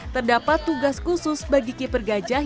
terdapat tugas khusus bagi keeper gajah